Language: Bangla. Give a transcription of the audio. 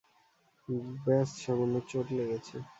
ব্যস সামান্য চোট লেগেছে।